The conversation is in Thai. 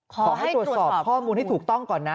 ขอให้ตรวจสอบข้อมูลให้ถูกต้องก่อนนะ